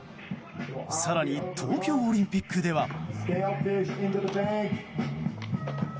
更に東京オリンピックでは。